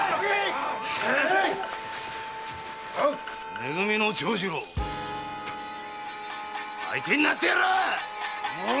め組の長次郎相手になってやらあ‼かまわん。